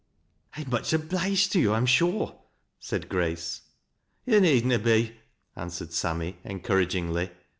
" I'm much obliged to you, I am sure," said Grace. " Yo' need na be," answered Sammy, encouragingly.